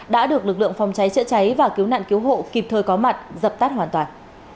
đã được lực lượng phòng cháy chữa cháy và cứu nạn cứu hộ kịp thời có mặt dập tắt hoàn toàn